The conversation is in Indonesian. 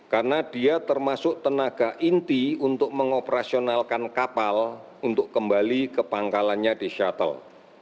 karena dia termasuk tenaga inti untuk mengoperasionalkan kapal untuk kembali ke pangkalannya di shuttle